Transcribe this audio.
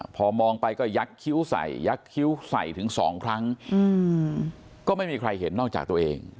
พอมองไปก็ยักษิ้วใส่ยักษ์คิ้วใส่ถึงสองครั้งก็ไม่มีใครเห็นนอกจากตัวเอง